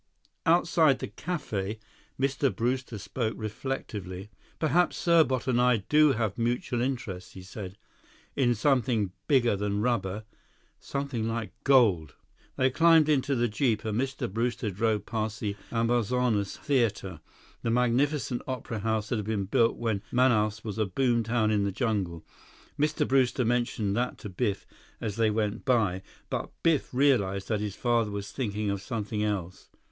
Outside the café, Mr. Brewster spoke reflectively. "Perhaps Serbot and I do have mutual interests," he said. "In something bigger than rubber. Something like gold." They climbed into the jeep, and Mr. Brewster drove past the Amazonas Theater, the magnificent opera house that had been built when Manaus was a boom town in the jungle. Mr. Brewster mentioned that to Biff as they went by; but Biff realized that his father was thinking of something else.